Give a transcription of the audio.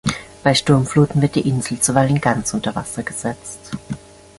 Bei Sturmfluten wird die Insel zuweilen ganz unter Wasser gesetzt.